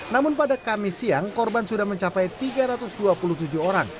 namun pada kamis siang korban sudah mencapai tiga ratus dua puluh tujuh orang